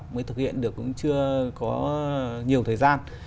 mới thực hiện được cũng chưa có nhiều thời gian